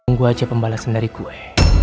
tunggu aja pembalasan dari gue